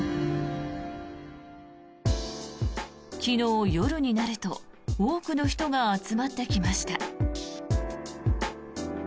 昨日、夜になると多くの人が集まってきました。